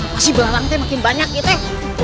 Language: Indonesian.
masih belalang teh makin banyak ya teh